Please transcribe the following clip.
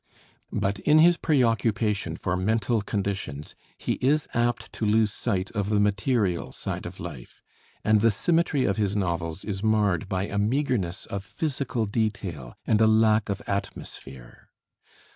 But in his preoccupation for mental conditions he is apt to lose sight of the material side of life, and the symmetry of his novels is marred by a meagreness of physical detail and a lack of atmosphere.